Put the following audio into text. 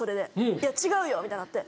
「いや違うよ」みたいになって。